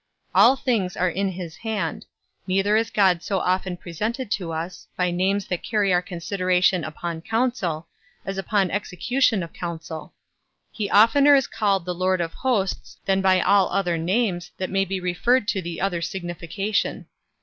All things are in his hand; neither is God so often presented to us, by names that carry our consideration upon counsel, as upon execution of counsel; he oftener is called the Lord of Hosts than by all other names, that may be referred to the other signification.